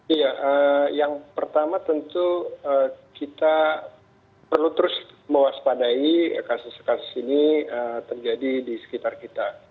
iya yang pertama tentu kita perlu terus mewaspadai kasus kasus ini terjadi di sekitar kita